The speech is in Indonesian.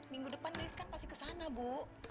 minggu depan lihs pasti ke sana bu